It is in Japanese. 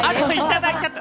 いただいちゃった！